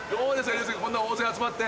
流水君こんな大勢集まって。